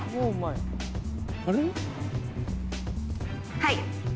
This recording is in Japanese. はい！